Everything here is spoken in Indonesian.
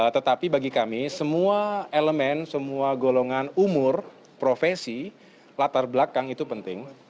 tetapi bagi kami semua elemen semua golongan umur profesi latar belakang itu penting